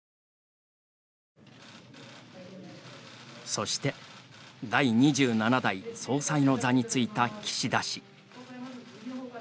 そして、第２７代総裁の座についた岸田氏。